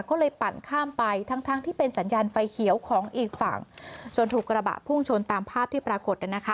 ก็เลยปั่นข้ามไปทั้งทั้งที่เป็นสัญญาณไฟเขียวของอีกฝั่งจนถูกกระบะพุ่งชนตามภาพที่ปรากฏ